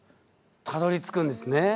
たどりつくんですね。